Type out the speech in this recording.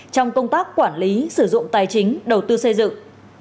trong công tác quản lý sử dụng tài chính đầu tư xây dựng